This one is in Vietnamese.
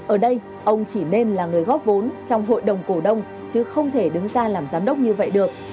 ở đây ông chỉ nên là người góp vốn trong hội đồng cổ đông chứ không thể đứng ra làm giám đốc như vậy được